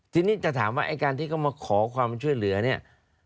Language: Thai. ทีนี้จะถามว่าไอ้การที่เขามาขอความช่วยเหลือเนี่ย